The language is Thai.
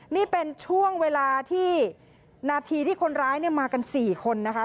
นี่เป็นช่วงเวลาที่นาทีที่คนร้ายมากัน๔คนนะคะ